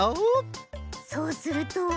そうすると。